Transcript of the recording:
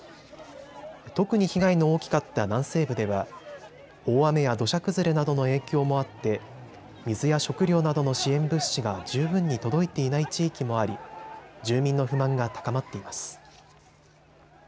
特に被害の大きかった南西部では大雨や土砂崩れなどの影響もあって水や食料などの支援物資が十分に届いていない地域もあり住民の不満が高まっています。